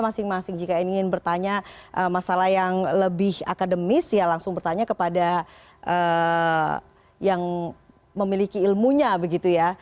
kalau dari saya tadi saya nyatet semuanya ya